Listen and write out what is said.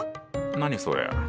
何それ？